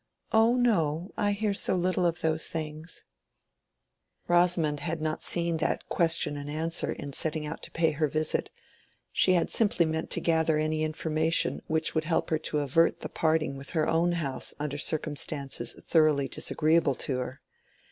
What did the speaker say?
"Oh no; I hear so little of those things." Rosamond had not foreseen that question and answer in setting out to pay her visit; she had simply meant to gather any information which would help her to avert the parting with her own house under circumstances thoroughly disagreeable to her.